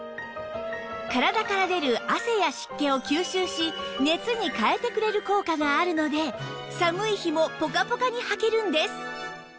体から出る汗や湿気を吸収し熱に変えてくれる効果があるので寒い日もポカポカにはけるんです